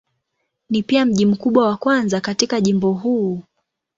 Ni pia mji mkubwa wa kwanza katika jimbo huu.